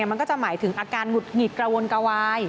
มันก็จะหมายถึงอาการหงุดหงิดกระวนกระวาย